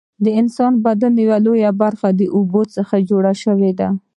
د انسان د بدن لویه برخه له اوبو څخه جوړه شوې ده